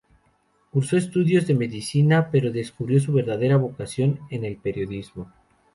Cursó estudios de medicina, pero descubrió su verdadera vocación en el periodismo.